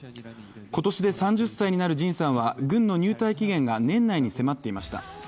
今年で３０歳になるＪＩＮさんは軍の入隊期限が年内に迫っていました。